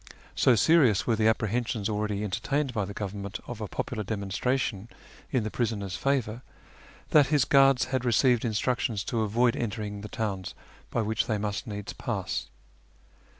So serious were the apprehensions already entertained by the Government of a popular demonstration in the prisoner's favour, that his guards had received instructions to avoid entering the towns by which they must needs pass.